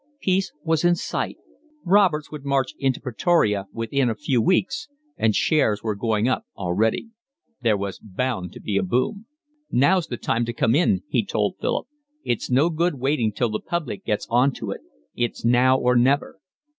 Peace was in sight, Roberts would march into Pretoria within a few weeks, and shares were going up already. There was bound to be a boom. "Now's the time to come in," he told Philip. "It's no good waiting till the public gets on to it. It's now or never."